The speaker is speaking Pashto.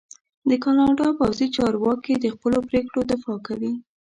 د کاناډا پوځي چارواکي د خپلو پرېکړو دفاع کوي.